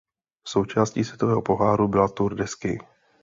Součástí světového poháru byla Tour de Ski.